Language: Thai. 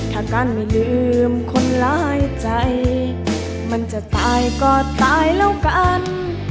ถ้าการไม่ลืมคนร้ายใจมันจะตายก็ตายแล้วกัน